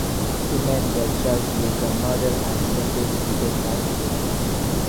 Two men were charged with the murder and sentenced to death by hanging.